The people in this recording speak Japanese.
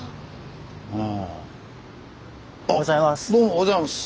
おはようございます。